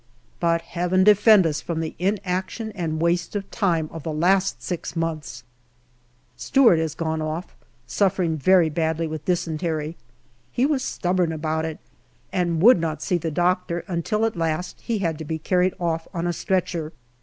But Heaven defend us from the inaction and waste of time of the last six months ! Stewart has gone off, suffering very badly with dysentery. He was stubborn about it, and would not see the doctor, until at last he had to be carried off on a stretcher.